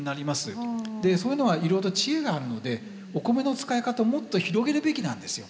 でそういうのはいろいろと知恵があるのでお米の使い方をもっと広げるべきなんですよ。